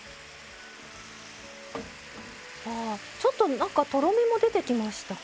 ちょっとなんかとろみも出てきましたか？